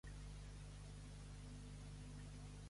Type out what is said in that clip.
M'he de prendre la pastilla cada tres hores, recorda'm.